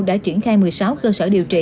đã triển khai một mươi sáu cơ sở điều trị